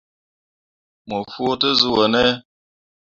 Mo fuu te zuu wo ne ?